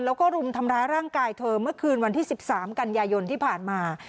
แล้วก็รุมทำร้ายร่างกายเธอเมื่อคืนวันที่๑๓กันยายนที่ผ่านมา